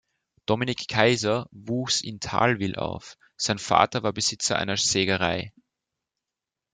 Dominik Kaiser wuchs in Thalwil auf, sein Vater war Besitzer einer Sägerei.